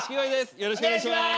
よろしくお願いします。